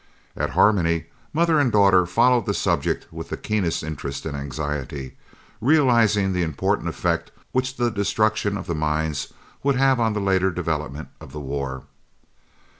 At Harmony, mother and daughter followed the subject with the keenest interest and anxiety, realising the important effect which the destruction of the mines would have on the later development of the war.